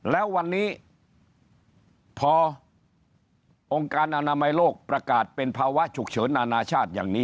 แล้ววันนี้พอองค์การอนามัยโลกประกาศเป็นภาวะฉุกเฉินนานาชาติอย่างนี้